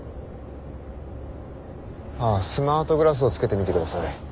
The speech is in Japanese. あスマートグラスをつけてみてください。